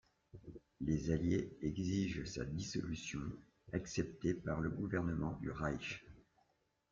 Les Alliés exigent sa dissolution, acceptée par le gouvernement du Reich.